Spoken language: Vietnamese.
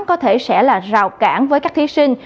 có thể sẽ là rào cản với các thí sinh